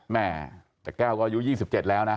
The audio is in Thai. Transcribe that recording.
แม่ตะแก้วก็อายุ๒๗แล้วนะ